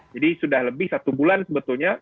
jadi sudah lebih satu bulan sebetulnya